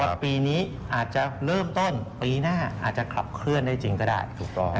ปีนี้อาจจะเริ่มต้นปีหน้าอาจจะขับเคลื่อนได้จริงก็ได้ถูกต้อง